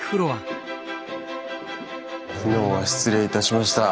昨日は失礼いたしました。